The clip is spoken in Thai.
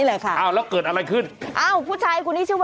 ช่วยเจียมช่วยเจียมช่วยเจียม